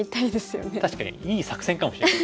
確かにいい作戦かもしれない。